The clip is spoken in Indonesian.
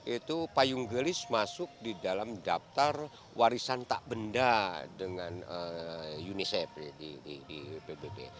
itu payung gelis masuk di dalam daftar warisan tak benda dengan unicef di pbb